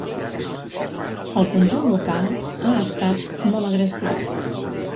El conjunt local ha estat molt agressiu.